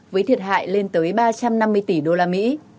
với thiệt hại lên tới ba trăm năm mươi tỷ đô la mỹ